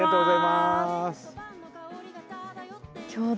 はい。